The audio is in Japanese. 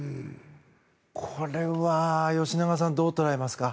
これは吉永さん、どう捉えますか？